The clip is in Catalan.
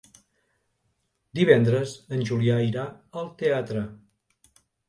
Divendres en Julià irà al teatre.